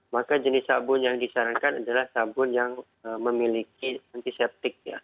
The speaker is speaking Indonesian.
maka jenis sabun yang disarankan adalah sabun yang memiliki antiseptik ya